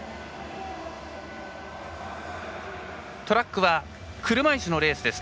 トラックは車いすのレースです。